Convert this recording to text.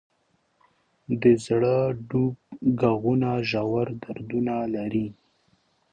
د زړه ډوب ږغونه ژور دردونه لري.